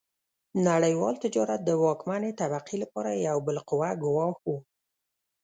نړیوال تجارت د واکمنې طبقې لپاره یو بالقوه ګواښ و.